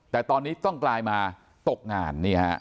แต่ตอนนี้ต้องกลายมาตกงาน